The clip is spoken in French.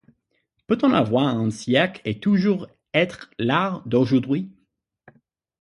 Peut-on avoir un siècle et toujours être l'art d'aujourd'hui?